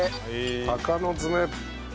鷹の爪。